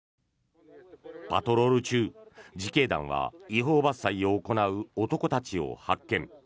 パトロール中、自警団は違法伐採を行う男たちを発見。